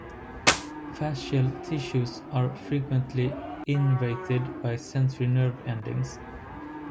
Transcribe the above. Fascial tissues are frequently innervated by sensory nerve endings.